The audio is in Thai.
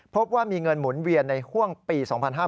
พบว่ามีเงินหมุนเวียนในห่วงปี๒๕๕๙